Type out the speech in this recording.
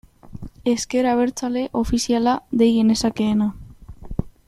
Ezker Abertzale ofiziala dei genezakeena.